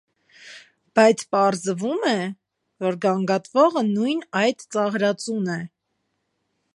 Բայց պարզվում է, որ գանգատվողը նույն այդ ծաղրածուն է։